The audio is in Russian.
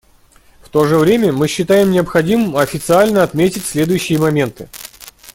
В то же время мы считаем необходимым официально отметить следующие моменты.